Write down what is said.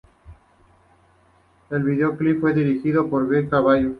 El video fue dirigido por Gus Carballo.